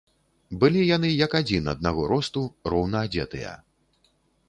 Былі яны як адзін, аднаго росту, роўна адзетыя.